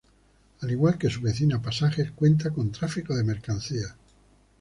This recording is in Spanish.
Al igual que su vecina Pasajes cuenta con tráfico de mercancías.